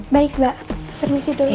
baik mbak permisi dulu